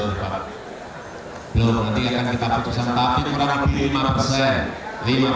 belum nanti akan kita putuskan tapi kurang lebih lima persen